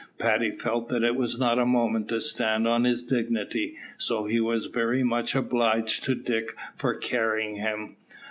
Paddy felt that it was not a moment to stand on his dignity, so he was very much obliged to Dick for carrying him.